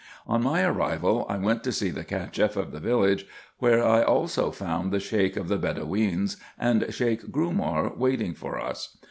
On my arrival I went to see the Cacheffof the village, where I also found the Sheik of the Bedoweens, and Sheik Grumar, waiting for us.